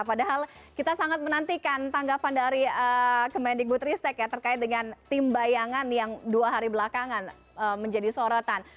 padahal kita sangat menantikan tanggapan dari kemendikbud ristek ya terkait dengan tim bayangan yang dua hari belakangan menjadi sorotan